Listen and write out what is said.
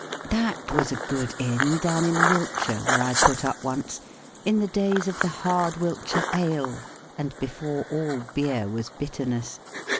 That was a good Inn down in Wiltshire where I put up once, in the days of the hard Wiltshire ale, and before all beer was bitterness.